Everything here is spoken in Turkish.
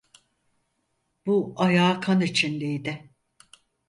Bu ayağı kan içindeydi.